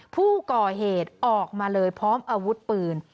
ผู้ก่อเหตุออกมาเลยพร้อมอาวุธปืน